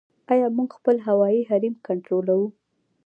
آیا موږ خپل هوایي حریم کنټرولوو؟